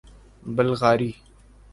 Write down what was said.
بلغاری